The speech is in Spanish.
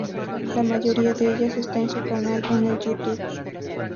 La mayoría de ellas está en su canal en el Youtube.